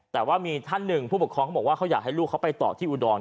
แต่ว่ามีท่านหนึ่งผู้ปกครองเขาบอกว่าเขาอยากให้ลูกเขาไปต่อที่อุดร